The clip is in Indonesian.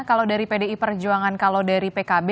kalau dari pdi perjuangan kalau dari pkb